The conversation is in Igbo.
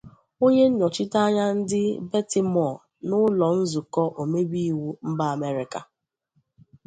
Onye nnọchite anya ndị Baltimore n’ụlọ nzukọ omebe iwu mba Amerịka